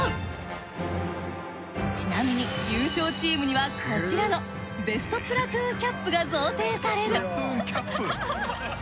ちなみに優勝チームにはこちらのベストプラトゥーンキャップが贈呈される。